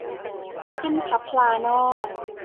ขึ้นพลับพลานอก